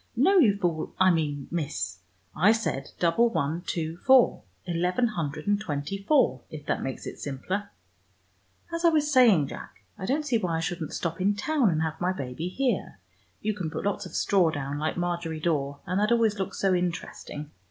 No, you fool, I mean Miss, I said double one two four, eleven hundred and twenty four, if that makes it simpler. As I was saying, Jack, I don't see why I shouldn't stop in town, and have my baby here. You can put lots of straw down, like Margery Daw, and that always looks so interesting.